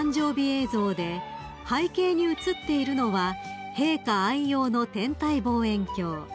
映像で背景に映っているのは陛下愛用の天体望遠鏡］